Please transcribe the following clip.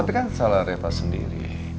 iya tetep kan salah refa sendiri